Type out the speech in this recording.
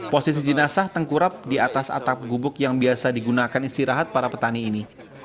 posisi jenazah tengkurap di atas atap gubuk yang biasa digunakan istirahat para petani ini